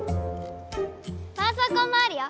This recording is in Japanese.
ばんそうこうもあるよ。